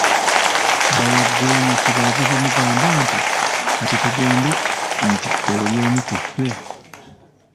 Bawagggoonya kye baava bamugamba nti, kati tutegedde nti oli omu ku ffe.